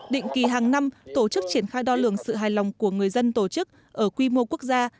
định kỳ hàng năm tổ chức triển khai đo lường sự hài lòng của người dân tổ chức ở quy mô quốc gia